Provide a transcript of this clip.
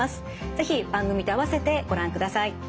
是非番組と併せてご覧ください。